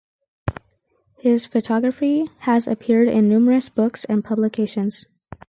His photography has appeared in numerous books and publications.